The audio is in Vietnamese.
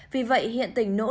vì vậy hiện tỉnh nỗ lực